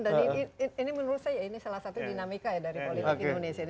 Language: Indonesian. dan ini menurut saya ini salah satu dinamika dari politik indonesia